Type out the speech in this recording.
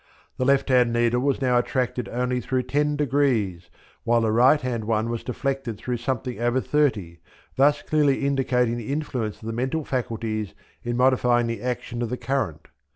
The left hand needle was now attracted only through ten degrees, while the right hand one was deflected through something over thirty, thus clearly indicating the influence of the mental faculties in modifying the action of the current.